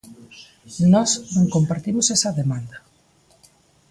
Nós non compartimos esa demanda.